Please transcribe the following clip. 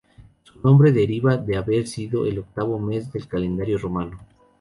Su nombre deriva de haber sido el octavo mes del calendario romano.